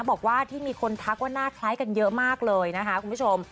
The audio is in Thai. บอกว่าที่มีคนทักว่าหน้าคล้ายกันเยอะมากเลยนะคะคุณผู้ชม